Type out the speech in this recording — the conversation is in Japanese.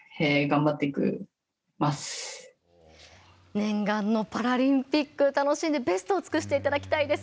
念願のパラリンピック楽しんでベストを尽くしていただきたいです。